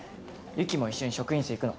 由希も一緒に職員室行くの。